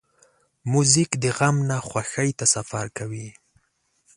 موزیک د غم نه خوښۍ ته سفر کوي.